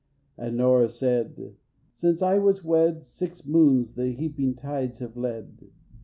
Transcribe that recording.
And Nora said: "Since I was wed Six moons the heaping tides have led.